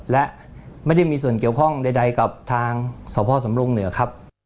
และไม่ได้มีส่วนเกี่ยวข้องใดกับทางสพสำรงเหนือครับ